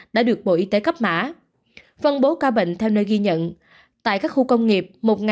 đã được bộ y tế cấp mã phân bố ca bệnh theo nơi ghi nhận tại các khu công nghiệp một một trăm bốn mươi bốn